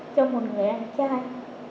cho một người anh trai